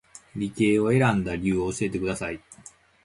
理系を選んだ理由を教えてください